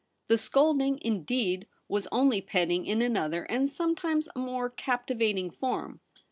The scolding, indeed, was only petting in another and sometimes a more ROLFE BELLARMIN. 207 captivating form.